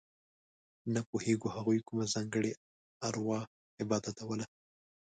نه پوهېږو هغوی کومه ځانګړې اروا عبادتوله.